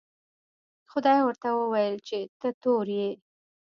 خدای ورته وویل چې ته تور یې.